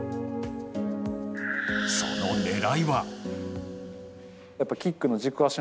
その狙いは。